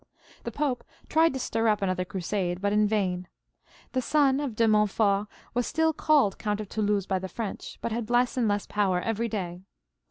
The Pope tried to stir up another crusade, but in vain. The son of De Montfort was still called Count of Toulouse by the Frendh, but had less and less power every day.